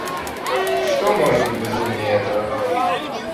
Что может быть безумнее этого.